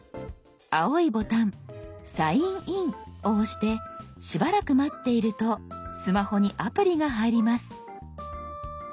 青いボタン「サインイン」を押してしばらく待っているとスマホにアプリが入ります。